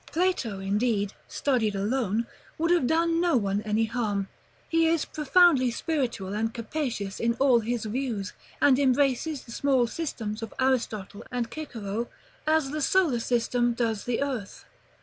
§ XLIX. Plato, indeed, studied alone, would have done no one any harm. He is profoundly spiritual and capacious in all his views, and embraces the small systems of Aristotle and Cicero, as the solar system does the Earth.